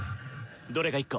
どれか１個！